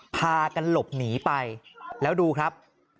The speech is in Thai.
พากันหลบหนีไปแล้วดูครับ